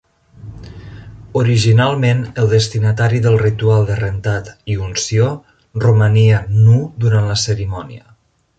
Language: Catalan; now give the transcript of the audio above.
Originalment, el destinatari del ritual de rentat i unció romania nu durant la cerimònia.